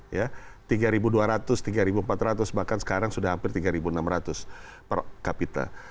ya tiga ribu dua ratus tiga ribu empat ratus bahkan sekarang sudah hampir tiga ribu enam ratus per kapita